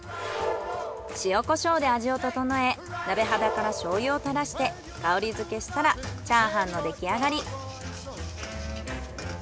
塩コショウで味を調え鍋肌から醤油をたらして香り付けしたらチャーハンの出来上がり。